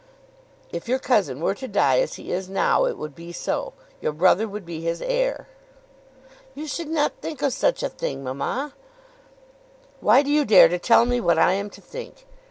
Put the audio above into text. "If your cousin were to die as he is now, it would be so. Your brother would be his heir." "You should not think of such a thing, mamma." "Why do you dare to tell me what I am to think?